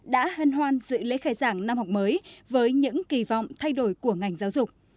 đã hân hoan dự lễ khai giảng năm học mới với những kỳ vọng thay đổi của ngành giáo dục